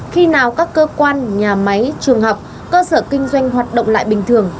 khi nào các cơ quan nhà máy trường học cơ sở kinh doanh hoạt động lại bình thường